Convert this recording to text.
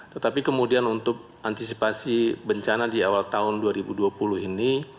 tetapi kemudian untuk antisipasi bencana di awal tahun dua ribu dua puluh ini